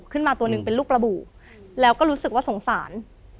ตัวหนึ่งเป็นลูกระบุแล้วก็รู้สึกว่าสงสาร